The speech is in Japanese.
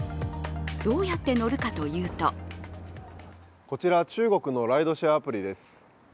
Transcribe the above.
どうやって乗るかというとこちら、中国のライドシェアアプリです。